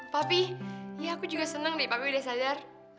papi ya aku juga seneng nih papi udah sadar